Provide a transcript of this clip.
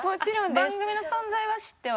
番組の存在は知っては？